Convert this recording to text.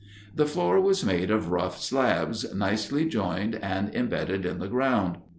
The floor was made of rough slabs, nicely joined and embedded in the ground.